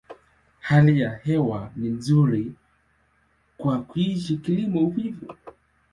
Hali ya hewa ni nzuri kwa kuishi, kilimo, uvuvi.